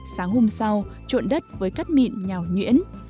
sáng hôm sau trộn đất với cắt mịn nhào nhuyễn